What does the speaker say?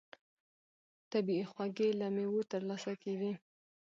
طبیعي خوږې له مېوو ترلاسه کېږي.